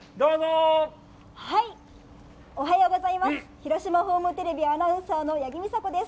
広島ホームテレビアナウンサーの八木美佐子です。